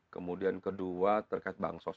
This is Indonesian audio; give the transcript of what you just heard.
kemudian kedua terkait bank sos